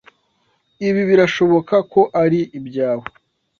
Ibi birashoboka ko ari ibyawe.